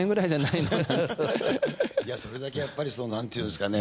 いやそれだけやっぱりそのなんて言うんですかね。